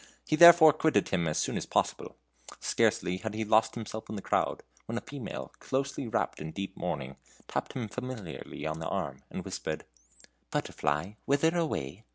He therefore quitted him as soon as possible. Scarcely had he lost himself in the crowd, when a female, closely wrapped in deep mourning, tapped him familiarly on the arm, and whispered: "Butterfly, whither away?